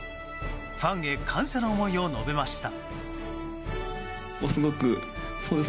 ファンへ感謝の思いを述べました。